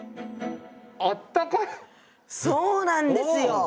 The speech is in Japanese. そうなんですよ。